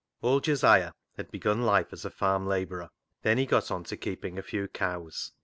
Old Josiah had begun life as a farm labourer. Then he got on to keeping a few cows.